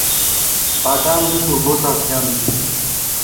بادام لږو اوبو ته اړتیا لري.